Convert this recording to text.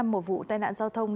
một vụ tai nạn giao thông